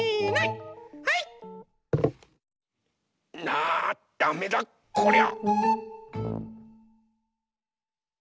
あダメだこりゃ。